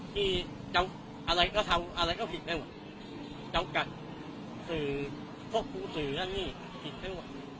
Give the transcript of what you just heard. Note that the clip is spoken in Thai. ที่อะไรก็ทำอะไรก็ผิดไปต่อกับภูตินั่นผิดไป